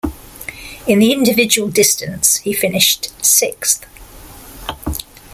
In the individual distance he finished sixth.